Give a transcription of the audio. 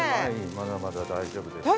まだまだ大丈夫ですよ。